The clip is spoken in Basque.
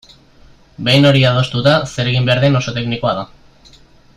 Behin hori adostuta, zer egin behar den oso teknikoa da.